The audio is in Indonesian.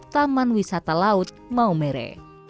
taman wisata laut maumere